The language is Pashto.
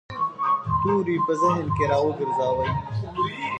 توری په ذهن کې را وګرځاوه.